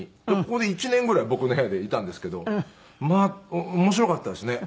ここで１年ぐらい僕の部屋でいたんですけどまあ面白かったですね。